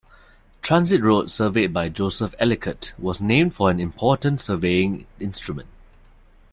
Transit Road, surveyed by Joseph Ellicott, was named for an important surveying instrument.